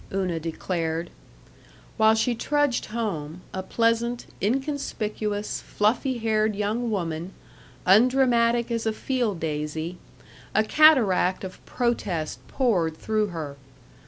Una declared. While she trudged home a pleasant, inconspicuous, fluffy haired young woman, undramatic as a field daisy a cataract of protest poured through her.